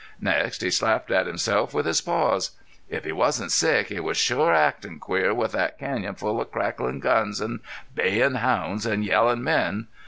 Next he slapped at himself with his paws. If he wasn't sick he was shore actin' queer with thet canyon full of crackin' guns an' bayin' hounds an' yellin' men.